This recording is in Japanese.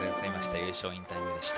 優勝インタビューでした。